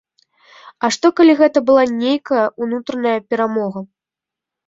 А што калі гэта была нейкая ўнутраная перамога?